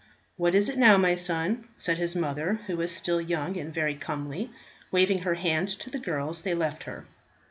"What is it now, my son?" said his mother, who was still young and very comely. Waving her hand to the girls, they left her.